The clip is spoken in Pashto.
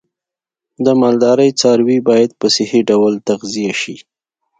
د مالدارۍ څاروی باید په صحی ډول تغذیه شي.